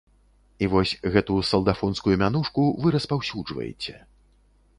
І вось гэту салдафонскую мянушку вы распаўсюджваеце.